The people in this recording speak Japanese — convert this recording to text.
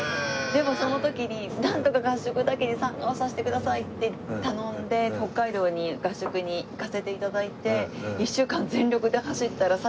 でもその時になんとか合宿だけは参加させてくださいって頼んで北海道に合宿に行かせて頂いて。